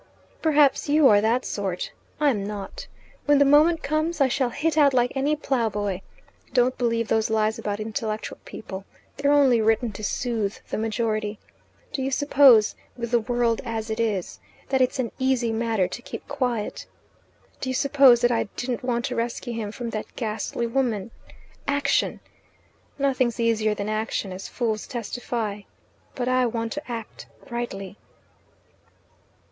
"Perhaps you are that sort. I'm not. When the moment comes I shall hit out like any ploughboy. Don't believe those lies about intellectual people. They're only written to soothe the majority. Do you suppose, with the world as it is, that it's an easy matter to keep quiet? Do you suppose that I didn't want to rescue him from that ghastly woman? Action! Nothing's easier than action; as fools testify. But I want to act rightly."